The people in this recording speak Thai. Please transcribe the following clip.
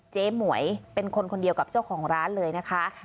หมวยเป็นคนคนเดียวกับเจ้าของร้านเลยนะคะ